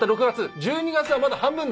１２月はまだ半分だ。